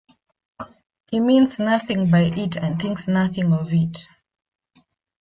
He means nothing by it and thinks nothing of it.